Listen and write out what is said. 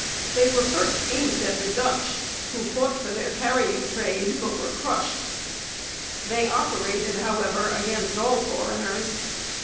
They were first aimed at the Dutch, who fought for their carrying trade but were crushed. They operated, however, against all foreigners.